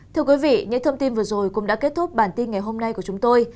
thưa quý vị những thông tin vừa rồi cũng đã kết thúc bản tin ngày hôm nay của chúng tôi